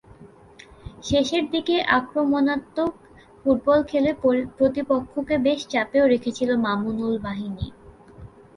শেষের দিকে আক্রমণাত্মক ফুটবল খেলে প্রতিপক্ষকে বেশ চাপেও রেখেছিল মামুনুল বাহিনী।